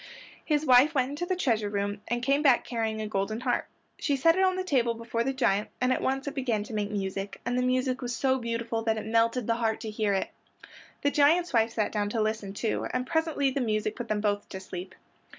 His wife went into the treasure room and came back carrying a golden harp. She set it on the table before the giant and at once it began to make music, and the music was so beautiful that it melted the heart to hear it. The giant's wife sat down to listen, too, and presently the music put them both to sleep.